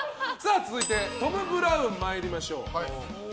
続いてトム・ブラウン参りましょう。